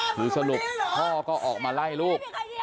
คือสรุปพ่อก็ออกมาไล่ลูก